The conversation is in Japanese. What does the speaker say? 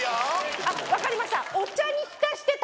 あっ分かりました。